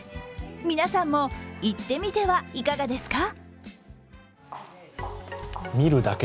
皆さんも行ってみてはいかがですか？